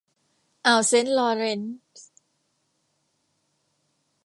อ่าวเซนต์ลอว์เรนซ์